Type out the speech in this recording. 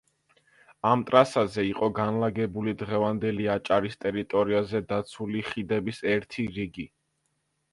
ამ ტრასაზე იყო განლაგებული დღევანდელი აჭარის ტერიტორიაზე დაცული ხიდების ერთი რიგი.